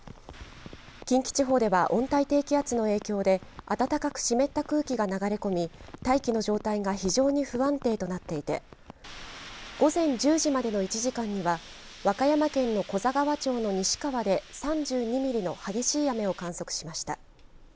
近畿地方では温帯低気圧の影響で暖かく湿った空気が流れ込み大気の状態が非常に不安定となっていて午前１０時までの１時間には和歌山県の古座川町の西川で３２ミリの激しい雨を観測しました。